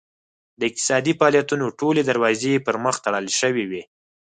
د اقتصادي فعالیتونو ټولې دروازې یې پرمخ تړل شوې وې.